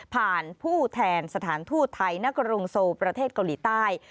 ผู้แทนสถานทูตไทยณกรุงโซประเทศเกาหลีใต้